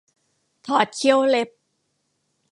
ถอดเขี้ยวเล็บ